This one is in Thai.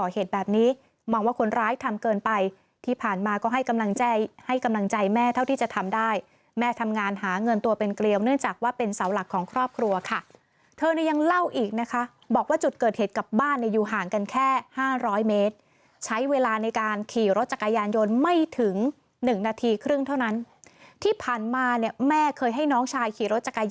หวังว่าคนร้ายทำเกินไปที่ผ่านมาก็ให้กำลังใจให้กำลังใจแม่เท่าที่จะทำได้แม่ทำงานหาเงินตัวเป็นเกลียวเนื่องจากว่าเป็นเสาหลักของครอบครัวค่ะเธอเนี่ยยังเล่าอีกนะคะบอกว่าจุดเกิดเหตุกับบ้านเนี่ยอยู่ห่างกันแค่ห้าร้อยเมตรใช้เวลาในการขี่รถจักรยานยนต์ไม่ถึงหนึ่งนาทีคร